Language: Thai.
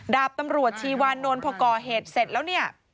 ดาบตำรวจชีวานนท์พอก่อเหตุเสร็จแล้วเนี่ย